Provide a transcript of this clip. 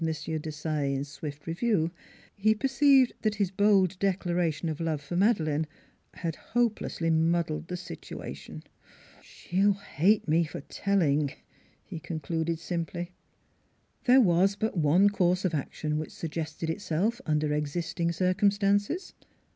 Desaye in swift review, he perceived that his bold declaration of love for Madeleine had hope lessly muddled the situation. " She'll hate me for telling," he concluded simply. There was but one course of action which sug gested itself under existing circumstances.